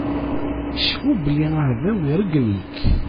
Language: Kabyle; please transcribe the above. Cfu belli aɛdaw irgem-ik.